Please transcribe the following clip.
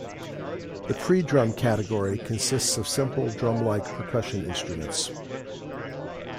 The predrum category consists of simple drum-like percussion instruments.